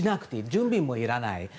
準備もいらない。